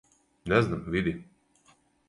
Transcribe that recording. Не знам, види.